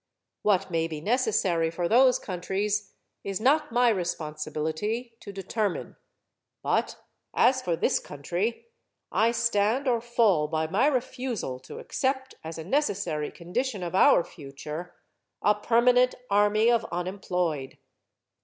What may be necessary for those countries is not my responsibility to determine. But as for this country, I stand or fall by my refusal to accept as a necessary condition of our future a permanent army of unemployed.